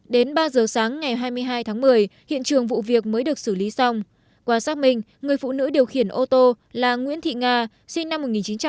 đến ba giờ sáng ngày hai mươi hai tháng một mươi hiện trường vụ việc mới được xử lý xong qua xác minh người phụ nữ điều khiển ô tô là nguyễn thị nga sinh năm một nghìn chín trăm tám mươi